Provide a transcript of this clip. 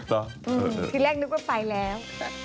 ทีแรกนึกว่าไปแล้ว